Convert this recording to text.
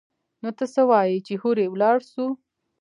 نو ته څه وايي چې هورې ولاړ سو؟